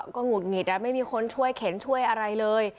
ก็หงุดหงิดไม่มีคนช่วยเข็นช่วยอะไรเลย